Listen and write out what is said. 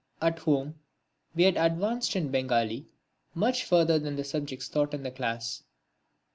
At home we had advanced in Bengali much further than the subjects taught in the class.